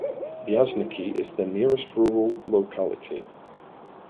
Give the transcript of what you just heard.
Vyazniki is the nearest rural locality.